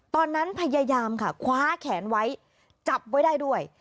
พยายามค่ะคว้าแขนไว้จับไว้ได้ด้วย